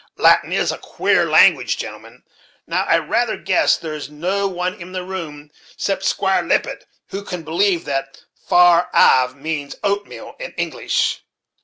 "Latin is a queer language, gentlemen; now I rather guess there is no one in the room, except Squire Lippet, who can believe that 'Far. Av.' means oatmeal, in English."